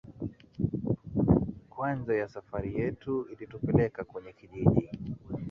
kwanza ya safari yetu ilitupeleka kwenye kijiji